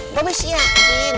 mbak be siapin